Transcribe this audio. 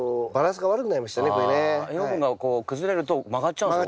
栄養分が崩れると曲がっちゃうんですね。